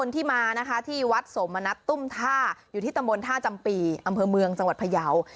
ที่มานะคะที่วัดสมณัฐตุ้มท่าอยู่ที่ตำบลท่าจำปีอำเภอเมืองจังหวัดพยาว